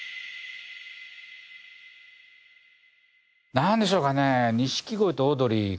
なんでしょうかね錦鯉とオードリーかな。